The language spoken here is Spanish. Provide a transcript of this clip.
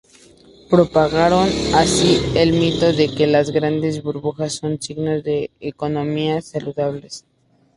Propagaron así el mito de que las grandes burbujas son signo de economías saludables.